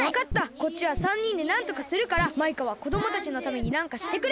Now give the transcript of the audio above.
こっちは３にんでなんとかするからマイカはこどもたちのためになんかしてくれ！